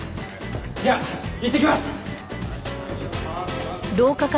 じゃあいってきます！